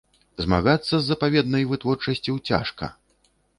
Змагацца з запаведнай вытворчасцю цяжка.